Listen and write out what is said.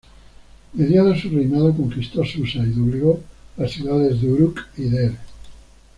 Mediado su reinado conquistó Susa y doblegó las ciudades de Uruk y Der.